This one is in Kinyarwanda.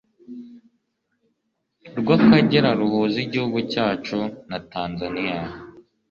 rw'Akagera ruhuza igihugu cyacu na Tanzaniya.